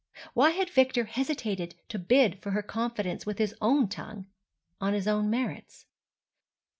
Why had Victor hesitated to bid for her confidence with his own tongue, on his own merits?